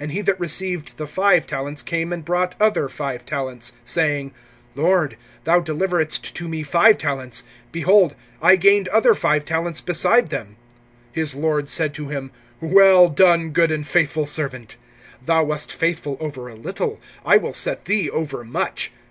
(20)And he that received the five talents came and brought other five talents, saying: Lord, thou deliveredst to me five talents; behold, I gained other five talents beside them. (21)His lord said to him: Well done, good and faithful servant; thou wast faithful over a little, I will set thee over much.